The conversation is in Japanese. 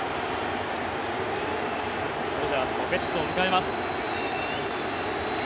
ドジャースのベッツを迎えます。